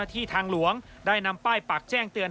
ที่ทางหลวงได้นำป้ายปากแจ้งเตือน